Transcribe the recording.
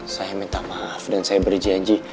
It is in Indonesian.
saya minta maaf dan saya berjanji